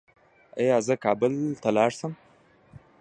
ایا زه کابل ته لاړ شم؟